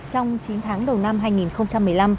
trong chín tháng đầu năm hai nghìn một mươi năm